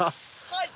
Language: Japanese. はい。